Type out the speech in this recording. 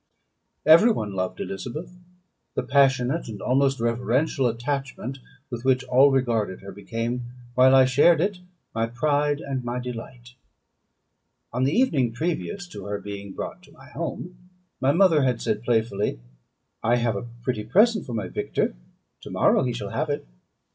Every one loved Elizabeth. The passionate and almost reverential attachment with which all regarded her became, while I shared it, my pride and my delight. On the evening previous to her being brought to my home, my mother had said playfully, "I have a pretty present for my Victor to morrow he shall have it."